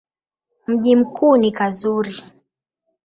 Mji mkuu ni Karuzi.